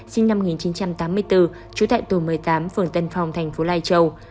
sinh năm một nghìn chín trăm tám mươi bốn trú tại tổ một mươi tám phường tân phong thành phố lai châu